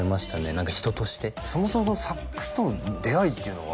何か人としてそもそもサックスとの出会いっていうのは？